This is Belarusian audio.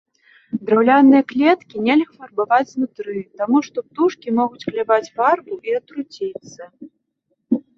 Драўляныя клеткі нельга фарбаваць знутры, таму што птушкі могуць кляваць фарбу і атруціцца.